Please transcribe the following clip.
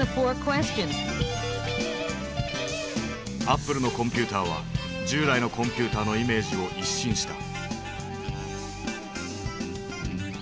アップルのコンピューターは従来のコンピューターのイメージを一新した。